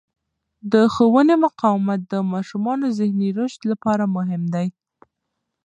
د ښوونې مقاومت د ماشومانو ذهني رشد لپاره مهم دی.